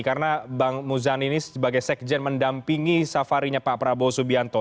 karena bang muzani ini sebagai sekjen mendampingi safarinya pak prabowo subianto